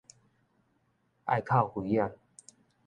愛哭妃仔